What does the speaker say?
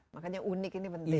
makanya unik ini penting